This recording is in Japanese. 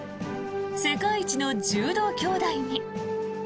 世界一の柔道兄妹に。